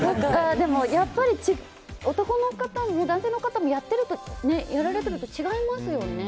でも、やっぱり男性の方もやられてると違いますよね。